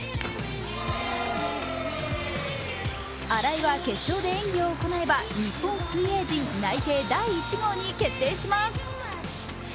荒井は決勝で演技を行えば日本水泳陣内定第１号に決定します